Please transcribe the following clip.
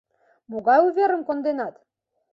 Могай уверым конденат?